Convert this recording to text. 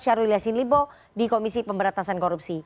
syahrul yassin lipo di komisi pemberatasan korupsi